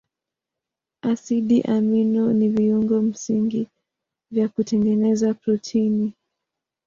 Asidi amino ni viungo msingi vya kutengeneza protini.